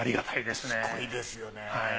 すごいですよね。